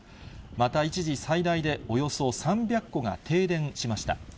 また、一時最大でおよそ３００戸が停電しました。